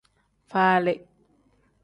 Faali.